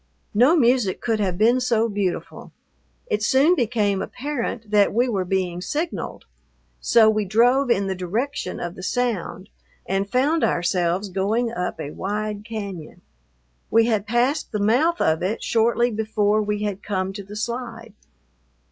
No music could have been so beautiful. It soon became apparent that we were being signaled; so we drove in the direction of the sound and found ourselves going up a wide cañon. We had passed the mouth of it shortly before we had come to the slide.